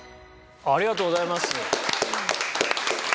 ありがとうございます。